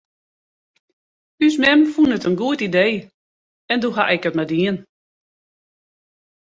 Us mem fûn it in goed idee en doe haw ik it mar dien.